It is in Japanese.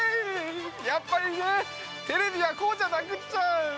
やっぱりテレビはこうじゃなくちゃ。